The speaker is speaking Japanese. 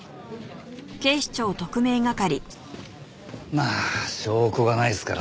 まあ証拠がないですからね。